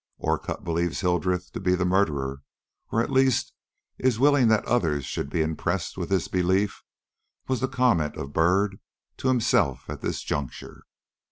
"Orcutt believes Hildreth to be the murderer, or, at least, is willing that others should be impressed with this belief," was the comment of Byrd to himself at this juncture.